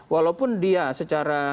walaupun dia secara